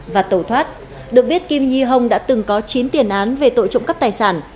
và tổ thoát được biết kim yi hong đã từng có chín tiền án về tội trộm cắp tài sản